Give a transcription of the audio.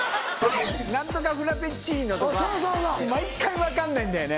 何とかフラペチーノとか毎回分かんないんだよね。